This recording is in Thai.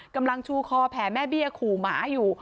กำลังชูคอแผ่แม่เบี้ยขู่หมาอยู่